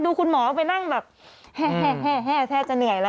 คุณหมอไปนั่งแบบแห้แทบจะเหนื่อยแล้ว